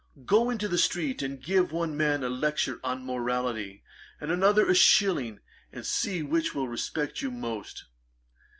Go into the street, and give one man a lecture on morality, and another a shilling, and see which will respect you most.